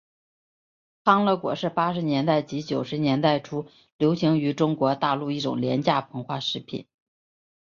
康乐果是八十年代及九十年代初流行于中国大陆一种廉价膨化食品。